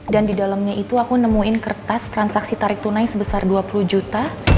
dan di dalamnya itu aku nemuin kertas transaksi tarik tunai sebesar dua puluh juta